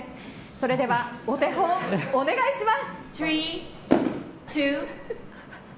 それではお手本お願いします！